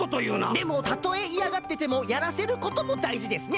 でもたとえいやがっててもやらせることもだいじですね。